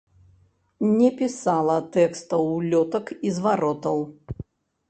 Не пісала тэкстаў улётак і зваротаў.